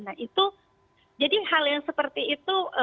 nah itu jadi hal yang seperti itu